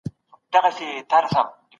د تنفس لوګی هم زیانمن دی.